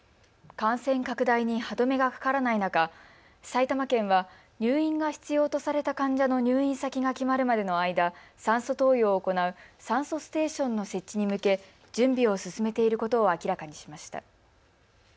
感染拡大に歯止めがかからない中埼玉県は入院が必要とされた患者の入院先が決まるまでの間、酸素投与を行う酸素ステーションの設置に向け準備を進めていることを明らかにしました。